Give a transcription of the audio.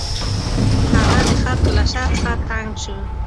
هغه د خلکو له شر څخه تنګ شو.